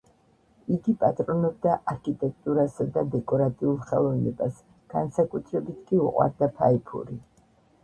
იგი პატრონობდა არქიტექტურასა და დეკორატიულ ხელოვნებას, განსაკუთრებით კი უყვარდა ფაიფური.